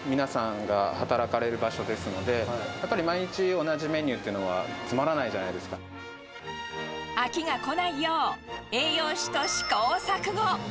ここは毎日、皆さんが働かれる場所ですので、やっぱり毎日同じメニューっていうのはつまらな飽きがこないよう、栄養士と試行錯誤。